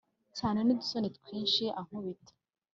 Cynane nudusoni twinshi ankubita